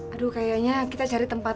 aduh kayaknya kita cari tempat